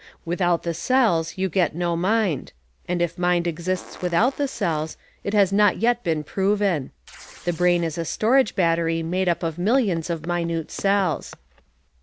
Without the cells you get no mind, and if mind exists without the cells, it has not yet been proven. The brain is a storage battery made up of millions of minute cells.